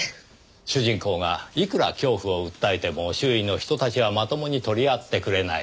主人公がいくら恐怖を訴えても周囲の人たちはまともに取り合ってくれない。